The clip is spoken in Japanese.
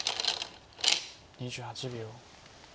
２８秒。